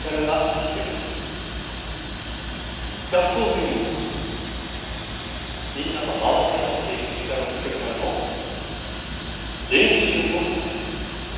学校というものはみんなが周りに合わせていく力をつけるための練習の場です。